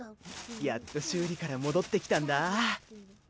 やっと修理から戻ってきたんだ。